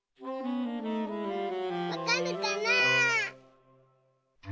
わかるかな？